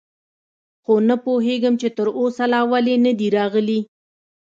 خو نه پوهېږم، چې تراوسه لا ولې نه دي راغلي.